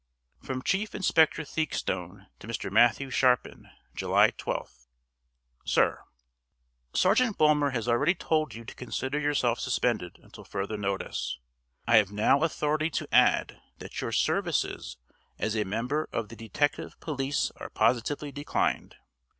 FROM CHIEF INSPECTOR THEAKSTONE TO MR. MATTHEW SHARPIN. July 12th. SIR Sergeant Bulmer has already told you to consider yourself suspended until further notice. I have now authority to add that your services as a member of the Detective police are positively declined.